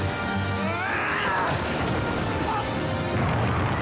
うわ！